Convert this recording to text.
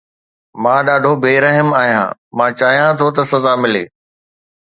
مان ڏاڍو بي رحم آهيان، مان چاهيان ٿو ته سزا ملي